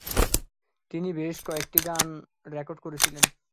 তিনি বেশ কয়েকটি গান রেকর্ড করেছিলেন।